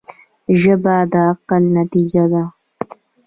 ژبه د عقل نتیجه ده